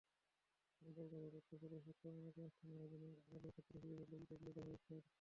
আমাদের কাছে তথ্য ছিল, শিক্ষামূলক অনুষ্ঠান আয়োজনের আড়ালে ছাত্রশিবিরের লোকজন জড়ো হয়েছেন।